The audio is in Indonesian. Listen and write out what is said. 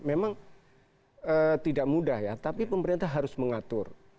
memang tidak mudah ya tapi pemerintah harus mengatur